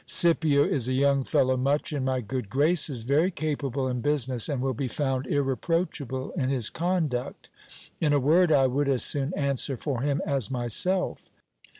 Scipio is a young fellow much in my good graces, very capable in business, and will be found irreproachable in his conduct. In a word, I would as soon answer for him as myself.